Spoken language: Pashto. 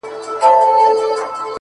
• ورته اور كلى, مالت, كور او وطن سي,